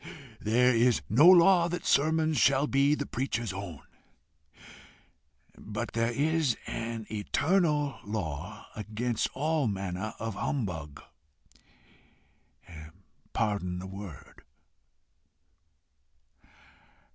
There is no law that sermons shall be the preacher's own, but there is an eternal law against all manner of humbug. Pardon the word."